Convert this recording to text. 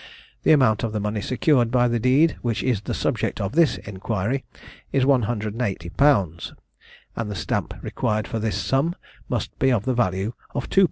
The amount of the money secured by the deed which is the subject of this inquiry, is 180_l._ and the stamp required for this sum, must be of the value of 2_l.